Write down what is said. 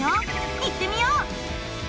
行ってみよう！